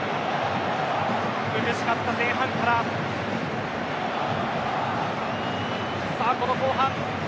苦しかった前半から、この後半。